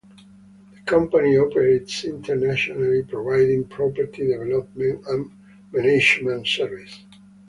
The company operates internationally providing property development and management services.